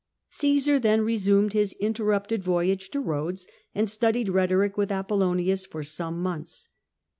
Caesar then resumed his interrupted voyage to Rhodes, and studied rhetoric with Apollonius for some months.